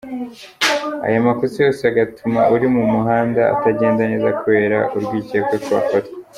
Ayo makosa yose agatuma uri mu muhanda atagenda neza kubera urwicyekwe ko afatwa.